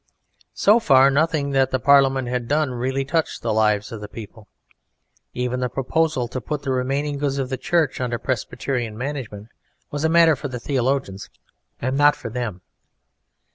So far nothing that the Parliament had done really touched the lives of the people. Even the proposal to put the remaining goods of the Church under Presbyterian management was a matter for the theologians and not for them.